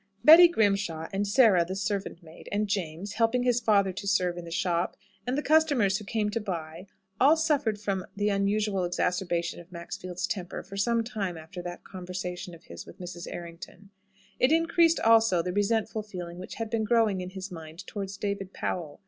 Betty Grimshaw, and Sarah, the servant maid, and James, helping his father to serve in the shop, and the customers who came to buy, all suffered from the unusual exacerbation of Maxfield's temper for some time after that conversation of his with Mrs. Errington. It increased, also, the resentful feeling which had been growing in his mind towards David Powell.